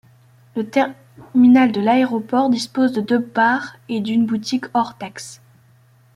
Le terminal de l'aéroport dispose de deux bars et d'une boutique hors taxes.